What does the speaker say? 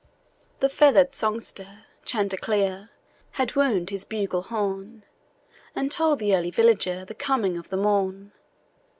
The feather'd songster, chanticleer, Had wound his bugle horn, And told the early villager The coming of the morn.